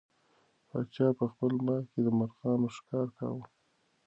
پاچا په خپل باغ کې د مرغانو ښکار کاوه.